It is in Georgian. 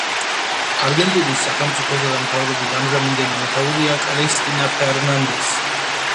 არგენტინის სახელმწიფოსა და მთავრობის ამჟამინდელი მეთაურია კრისტინა ფერნანდესი.